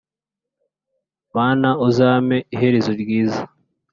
Mana uzampe iherezo ryiza